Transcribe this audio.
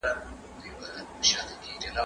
زه درسونه نه اورم؟!